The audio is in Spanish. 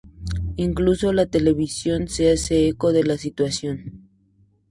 Incluso la televisión se hace eco de la situación.